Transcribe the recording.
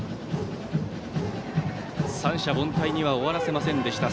三者凡退には終わらせませんでした。